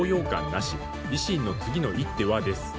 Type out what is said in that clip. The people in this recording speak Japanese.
なし維新の次の一手は？です。